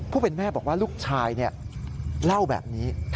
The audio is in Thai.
ผู้เป็นแม่บอกว่าลูกชายเล่าแบบนี้